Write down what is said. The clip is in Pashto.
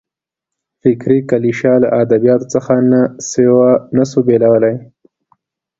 فکري کلیشه له ادبیاتو څخه نه سو بېلولای.